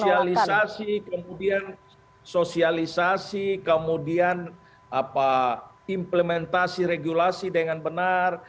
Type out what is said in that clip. sosialisasi kemudian sosialisasi kemudian implementasi regulasi dengan benar